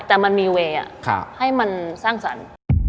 แต่มันมีเวย์ให้มันสร้างสรรค์